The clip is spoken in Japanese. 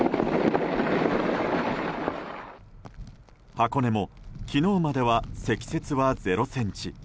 箱根も昨日までは積雪は０ｃｍ。